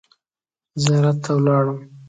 زیارت ته ولاړم.